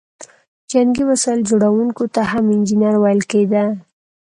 جنګي وسایل جوړوونکو ته هم انجینر ویل کیده.